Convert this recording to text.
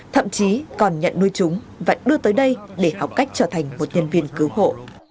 thậm chí còn nhận nuôi chúng và đưa tới đây để học cách trở thành một nhân viên cứu hộ